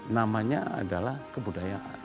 namanya adalah kebudayaan